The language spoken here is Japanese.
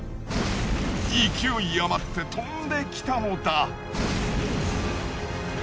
勢いあまって飛んできたのだ。